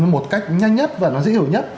một cách nhanh nhất và nó dễ hiểu nhất